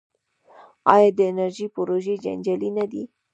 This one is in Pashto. آیا د انرژۍ پروژې جنجالي نه دي؟